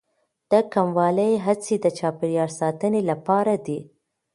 د کمولو هڅې د چاپیریال ساتنې لپاره دي.